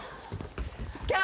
キャー！